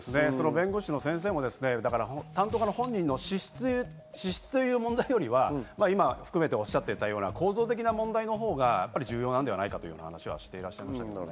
弁護士の先生も本人の資質というよりは今、含めておっしゃっていた構造的な問題のほうが重要なんじゃないかという話をしていましたね。